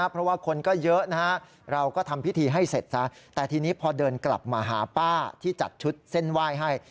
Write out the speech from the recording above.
เพราะว่าคนก็เยอะนะฮะเราก็ทำพิธีให้เสร็จซะแต่ทีนี้พอเดินกลับมาหาป้าที่จัดชุดเส้นไหว้ให้